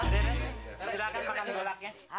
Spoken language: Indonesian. re silahkan makan bolak ya